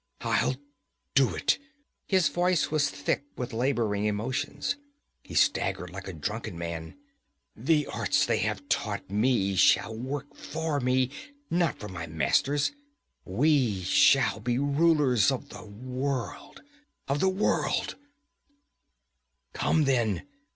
'I'll do it!' His voice was thick with laboring emotions. He staggered like a drunken man. 'The arts they have taught me shall work for me, not for my masters. We shall be rulers of the world of the world ' 'Come then!'